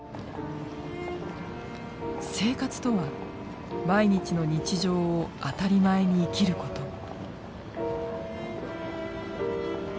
「生活」とは毎日の日常を当たり前に生きること。